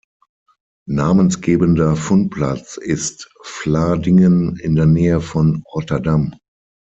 Namensgebender Fundplatz ist Vlaardingen in der Nähe von Rotterdam.